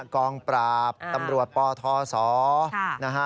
กองปราบตำรวจปทศนะฮะ